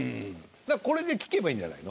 これで聞けばいいんじゃないの？